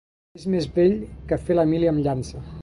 És més vell que fer la mili amb llança.